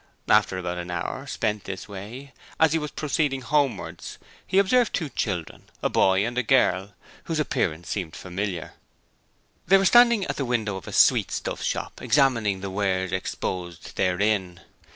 After about an hour spent this way, as he was proceeding homewards he observed two children a boy and a girl whose appearance seemed familiar. They were standing at the window of a sweetstuff shop examining the wares exposed therein.